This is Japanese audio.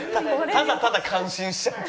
ただただ感心しちゃって。